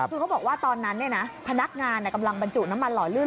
คือเขาบอกว่าตอนนั้นพนักงานกำลังบรรจุน้ำมันหล่อลื่น